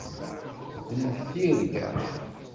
D mm tirga.